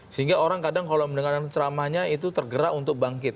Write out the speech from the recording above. sehingga orang kadang kalau mendengarkan ceramahnya itu tergerak untuk bangkit